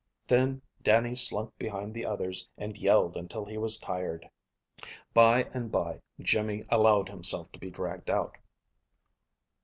Then Dannie slunk behind the others and yelled until he was tired. By and by Jimmy allowed himself to be dragged out.